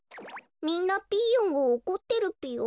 みんなピーヨンをおこってるぴよ。